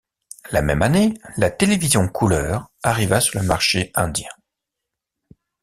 La même année, la télévision couleur arriva sur le marché Indien.